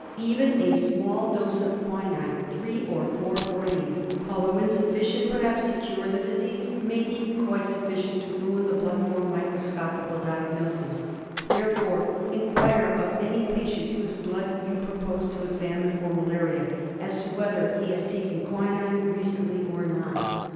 Even a small . dose of quinine, three or four grains, although insufficient perhaps to cure the disease, may be quite sufficient to ruin the blood for microscopical diagnosis. Therefore inquire of any patient whose blood you propose to ex amine for malaria as to whether he has taken quinine recently or not.